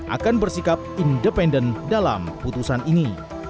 akan bersikap independen dalam putusan ini